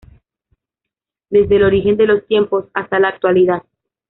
Desde el origen de los tiempos hasta la actualidad.